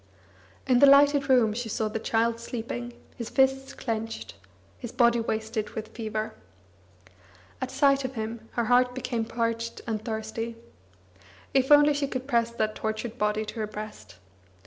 In the lighted room she saw the child sleeping, his fists clenched, his body wasted with fever. At sight of him, her heart became parched and thirsty. If only she could press that tortured body to her breast!